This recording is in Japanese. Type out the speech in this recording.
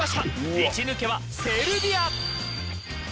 １抜けはセルビア。